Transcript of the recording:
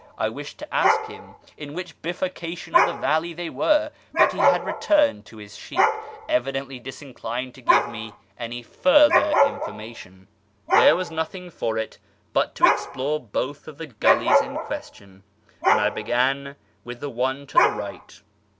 I wished to ask him in which bifurcation of the valley they were, but he had re turned to his sheep, evidently disinclined to give me any further information. There was nothing for it but to explore both of the gullies in question, and I began with the one to the right.